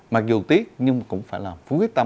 mặc dù tiếc nhưng cũng phải làm